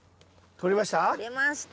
取れました。